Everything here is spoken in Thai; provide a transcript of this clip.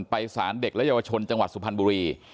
ไปสารเด็กและเยาวชนจังหวัดสุพรรณบุรี